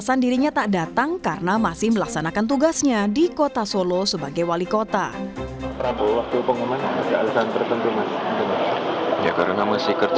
sebagai presiden terpilih pilihan pertama dalam rekapitulasi pilpres dua ribu dua puluh empat